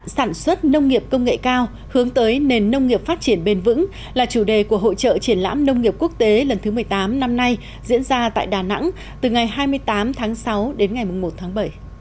sản xuất nông nghiệp công nghệ cao hướng tới nền nông nghiệp phát triển bền vững là chủ đề của hội trợ triển lãm nông nghiệp quốc tế lần thứ một mươi tám năm nay diễn ra tại đà nẵng từ ngày hai mươi tám tháng sáu đến ngày một tháng bảy